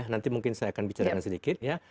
nanti mungkin saya akan bicara sedikit